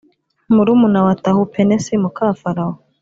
murumuna wa Tahupenesi muka Farawo